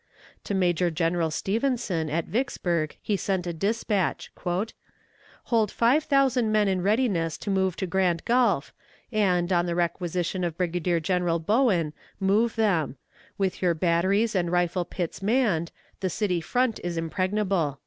To Major General Stevenson, at Vicksburg, he sent a dispatch: "Hold five thousand men in readiness to move to Grand Gulf, and, on the requisition of Brigadier General Bowen, move them; with your batteries and rifle pits manned, the city front is impregnable."